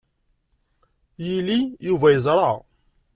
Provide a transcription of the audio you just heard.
Yili, Yuba yeẓṛa.